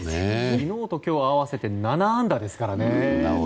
昨日と今日合わせて７安打ですからね。